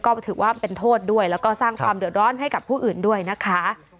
ก็ถือว่าเป็นโทษด้วยแล้วก็สร้างความเดือดร้อนให้กับผู้อื่นด้วยนะคะ